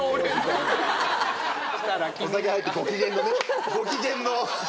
お酒入ってご機嫌のねご機嫌の。